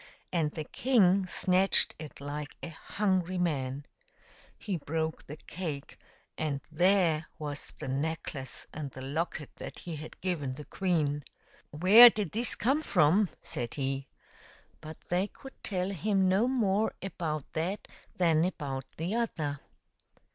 And the king snatched it like a hungry man. He broke the cake, and there was the necklace and the locket that he had given the queen. " Where did this come from ?" said he. But they could tell him no more about that than about the other.